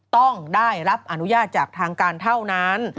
ต้องได้รับอนุญาตจากทางการเท่านั้น